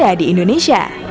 yang ada di indonesia